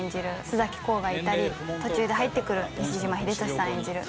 須崎功がいたり途中で入ってくる西島秀俊さん演じる